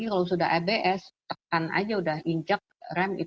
terus kalau mobil sudah abs tekan saja sudah injak rem itu sering